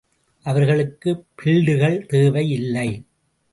அவர்களுக்கு பில்டுகள் தேவை இல்லை.